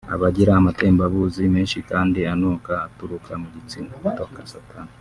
Abagira amatembabuzi menshi kandi anuka aturuka mu gitsina